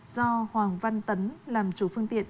do hoàng văn tấn làm chủ phương tiện